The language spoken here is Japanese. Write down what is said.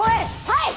はい！